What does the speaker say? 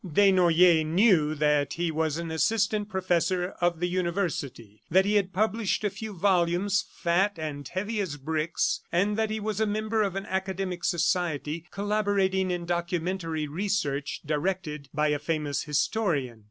Desnoyers knew that he was an assistant professor of the University, that he had published a few volumes, fat and heavy as bricks, and that he was a member of an academic society collaborating in documentary research directed by a famous historian.